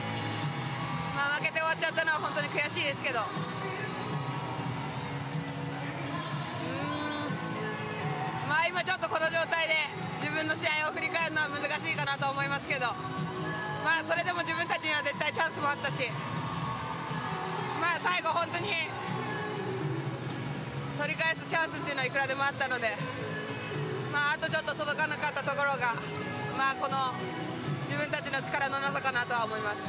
負けて終わっちゃったのは本当に悔しいですけど今、ちょっと、この状態で自分の試合を振り返るのは難しいかなと思いますけどそれでも自分たちには絶対チャンスもあったし最後、本当に取り返すチャンスっていうのはいくらでもあったのであとちょっと届かなかったところがこの自分たちの力のなさかなと思います。